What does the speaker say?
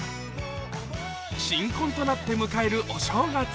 新婚となって迎えるお正月。